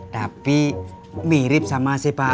tapi mirip sama sepak bola